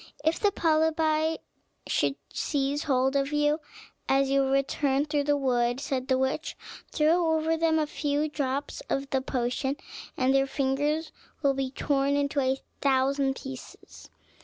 "If the polypi should seize hold of you as you return through the wood," said the witch, "throw over them a few drops of the potion, and their fingers will be torn into a thousand pieces."